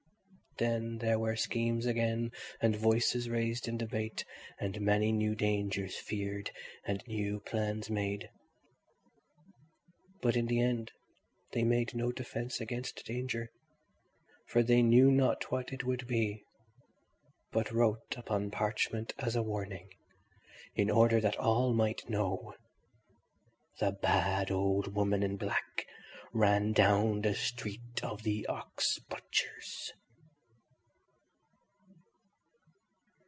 Then there were schemes again and voices raised in debate, and many new dangers feared and new plans made. But in the end they made no defence against danger, for they knew not what it would be, but wrote upon parchment as a warning, and in order that all might know: "The bad old woman in black ran down the street of the ox butchers."